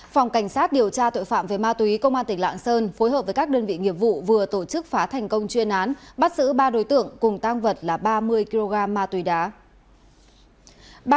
phòng cảnh sát điều tra tội phạm về ma túy công an tỉnh lạng sơn phối hợp với các đơn vị nghiệp vụ vừa tổ chức phá thành công chuyên án bắt giữ ba đối tượng cùng tang vật là ba mươi kg ma túy đá